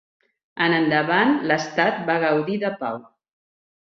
En endavant l'estat va gaudir de pau.